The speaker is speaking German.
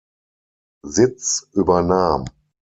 Sitz übernahm.